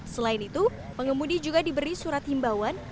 selain itu pengemudi juga diberi surat himbauan